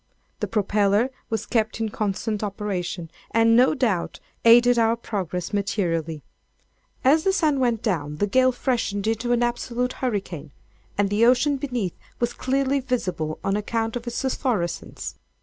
The propeller was kept in constant operation, and, no doubt, aided our progress materially. As the sun went down, the gale freshened into an absolute hurricane, and the ocean beneath was clearly visible on account of its phosphorescence.